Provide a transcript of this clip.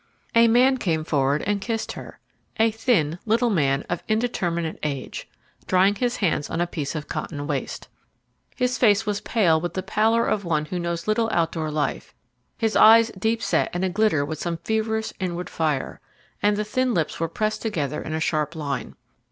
A man came forward and kissed her a thin, little man of indeterminate age drying his hands on a piece of cotton waste. His face was pale with the pallor of one who knows little outdoor life, his eyes deep set and a glitter with some feverish inward fire, and the thin lips were pressed together in a sharp line.